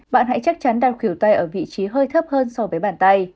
bạn hãy chắc chắn đau khỉu tay ở vị trí hơi thấp hơn so với bàn tay